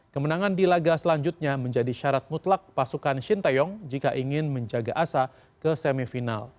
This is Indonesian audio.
kemenangan di laga selanjutnya menjadi syarat mutlak pasukan shin taeyong jika ingin menjaga asa ke semifinal